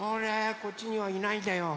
こっちにはいないんだよ。